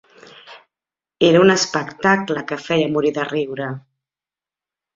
Era un espectacle que feia morir de riure.